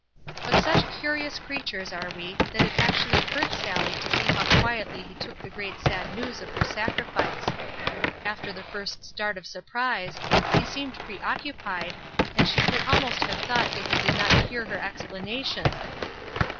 But such curious creatures are we that it actually hurt Sallie to see how quietly he took the great sad news of her sacrifice. After the first start of surprise, he seemed preoccupied, and she could almost have thought that he did not hear her explanation.